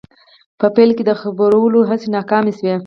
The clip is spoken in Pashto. په پیل کې د خپرولو هڅې ناکامې شوې.